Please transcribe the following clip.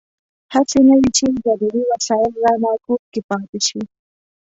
هسې نه وي چې ضروري وسایل رانه کور کې پاتې شي.